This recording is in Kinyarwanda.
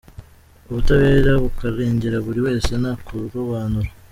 Ubutabera bukarengera buli wese nta kurobanura.